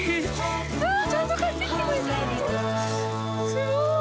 すごい！